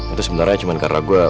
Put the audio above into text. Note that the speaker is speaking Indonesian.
itu sebenarnya cuma karena gue